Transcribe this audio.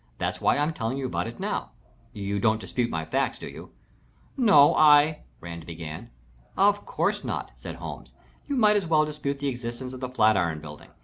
"That's why I'm telling you about it now. You don't dispute my facts, do you?" "No, I " Rand began. "Of course not," said Holmes. "You might as well dispute the existence of the Flat iron Building.